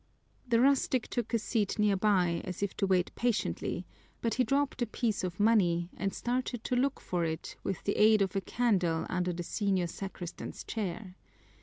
The rustic took a seat near by, as if to wait patiently, but he dropped a piece of money and started to look for it with the aid of a candle under the senior sacristan's chair.